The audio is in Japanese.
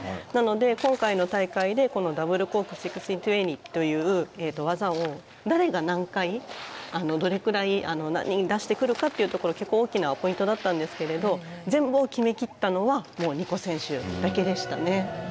なので今回の大会でこのダブルコーク１６２０という技を誰が何回どれぐらい出してくるかというところが結構大きなポイントだったんですけれど全部を決めきったのはもうニコ選手だけでしたね。